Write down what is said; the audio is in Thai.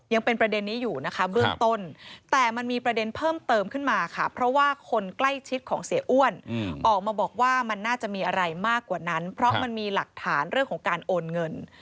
ยังเป็นประเด็นนี้อยู่นะคะเบื้องต้นแต่มันมีประเด็นเพิ่มเติมขึ้นมาค่ะเพราะว่าคนใกล้ชิดของเสียอ้วนออกมาบอกว่ามันน่าจะมีอะไรมากกว่านั้นเพราะมันมีหลักฐานเรื่องของการโอนเงิน